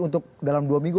untuk dalam dua minggu